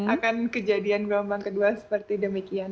akan kejadian gelombang kedua seperti demikian